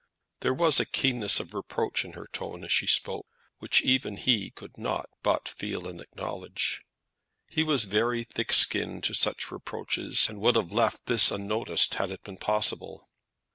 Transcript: There was a keenness of reproach in her tone as she spoke, which even he could not but feel and acknowledge. He was very thick skinned to such reproaches, and would have left this unnoticed had it been possible.